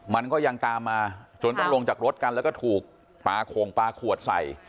มันก็ยังตามมาจนต้องลงจากรถกันแล้วก็ถูกปลาโข่งปลาขวดใส่